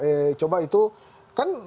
eh coba itu kan